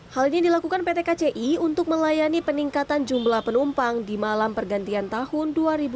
hal ini dilakukan pt kci untuk melayani peningkatan jumlah penumpang di malam pergantian tahun dua ribu dua puluh